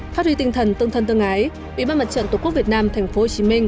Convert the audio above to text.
phát huy tinh thần tương thân tương ái ủy ban mặt trận tổ quốc việt nam tp hcm